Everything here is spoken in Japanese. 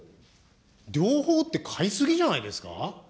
両方って、買い過ぎじゃないですか。